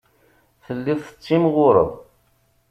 Telliḍ tettimɣureḍ.